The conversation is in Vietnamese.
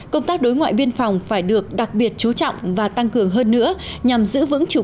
công tác đối ngoại biên phòng phải được đặc biệt chú trọng và tăng cường hơn nữa nhằm giữ vững chủ